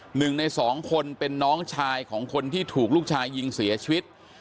หนึ่งในสองคนเป็นน้องชายของคนที่ถูกลูกชายยิงเสียชีวิต